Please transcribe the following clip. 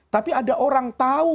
tapi ada orang tau